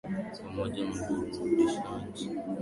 Pamoja Mburudishaji Mwenye Mafanikio kwa Muda Wote